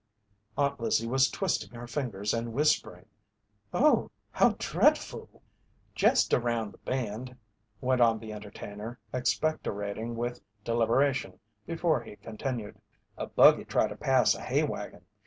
Aunt Lizzie was twisting her fingers and whispering: "Oh, how dread ful!" "Jest around that bend," went on the entertainer, expectorating with deliberation before he continued, "a buggy tried to pass a hay wagon.